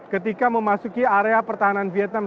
ketika memasuki area pertahanan vietnam